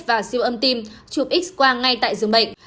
và siêu âm tim chụp x qua ngay tại dường bệnh